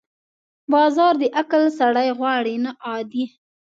بازار د عقل سړی غواړي، نه عادي.